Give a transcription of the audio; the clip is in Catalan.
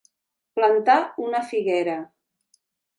Plantar una figuera.